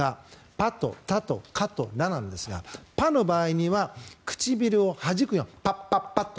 パとタとカとラなんですが「パ」の場合には唇をはじくようにパッパッパっと。